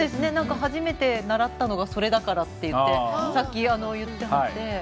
初めて習ったのがそれだからといってさっき言ってて。